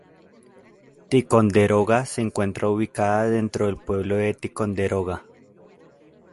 Ticonderoga se encuentra ubicada dentro del pueblo de Ticonderoga.